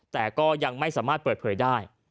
แต่ก็ยังไม่สามารถเปิดเผยได้